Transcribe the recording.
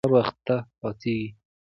سهار وختي پاڅیږئ.